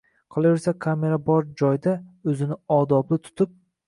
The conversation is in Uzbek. Qolaversa, kamera bor joyda o‘zini odobli tutib